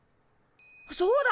そうだ！